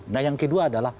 nah yang kedua adalah